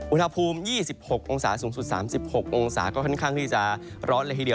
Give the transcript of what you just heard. อุณหภูมิ๒๖องศาสูงสุด๓๖องศาก็ค่อนข้างที่จะร้อนเลยทีเดียว